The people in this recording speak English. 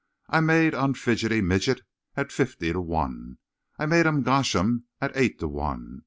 I made on Fidgety Midget at fifty to one. I made on Gosham at eight to one.